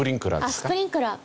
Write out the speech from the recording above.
あっスプリンクラー。